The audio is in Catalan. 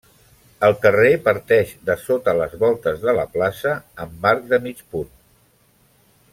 El carrer parteix de sota les voltes de la plaça, amb arc de mig punt.